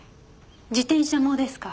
自転車もですか？